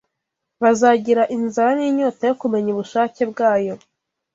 bazagira inzara n’inyota yo kumenya ubushake bwayo